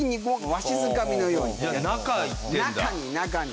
中に中に。